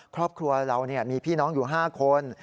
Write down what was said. ครอบครัวเรามีพี่น้องอยู่๕คน